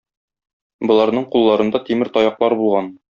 Боларның кулларында тимер таяклар булган.